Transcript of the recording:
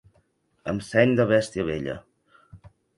Amb seny de bèstia vella.